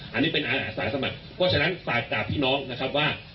อันนี้เป็นอาสาสมัครเพราะฉะนั้นฝากกราบพี่น้องนะครับว่า